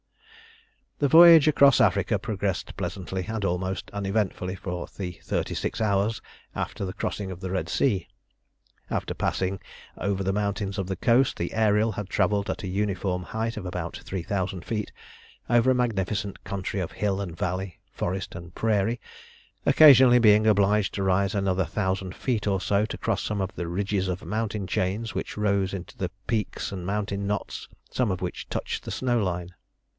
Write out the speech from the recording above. The voyage across Africa progressed pleasantly and almost uneventfully for the thirty six hours after the crossing of the Red Sea. After passing over the mountains of the coast, the Ariel had travelled at a uniform height of about 3000 feet over a magnificent country of hill and valley, forest and prairie, occasionally being obliged to rise another thousand feet or so to cross some of the ridges of mountain chains which rose into peaks and mountain knots, some of which touched the snow line.